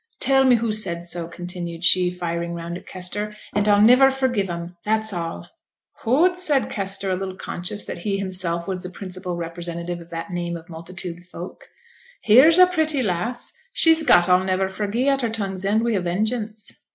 Tell me who said so,' continued she, firing round at Kester, 'and I'll niver forgive 'em that's all.' 'Hoots!' said Kester, a little conscious that he himself was the principal representative of that name of multitude folk. 'Here's a pretty lass; she's' got "a'll niver forgi'e" at her tongue's end wi' a vengeance.'